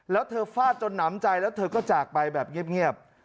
แล้วเธอฟาดจนหนำใจแล้วเธอก็จากไปแบบเงียบ